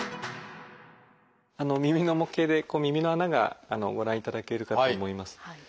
耳の模型で耳の穴がご覧いただけるかと思います。